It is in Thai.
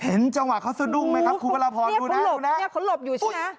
เห็นจังหวะเขาซะดุ้งไหมครับครูกระละพรดูนะ